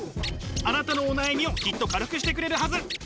あなたのお悩みをきっと軽くしてくれるはず。